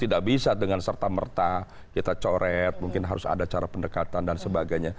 tidak bisa dengan serta merta kita coret mungkin harus ada cara pendekatan dan sebagainya